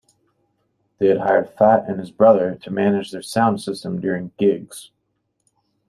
They had hired Fatt and his brother to manage their sound system during gigs.